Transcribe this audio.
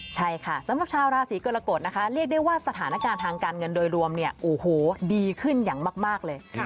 ใช่ค่ะสำหรับชาวราศีกรกฎนะคะเรียกได้ว่าสถานการณ์ทางการเงินโดยรวมเนี่ยโอ้โหดีขึ้นอย่างมากเลย